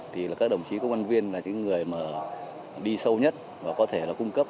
thì các đồng chí công an viên là những người đi sâu nhất và có thể cung cấp